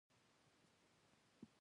دوهم کال کې